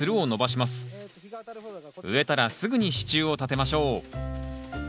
植えたらすぐに支柱を立てましょう。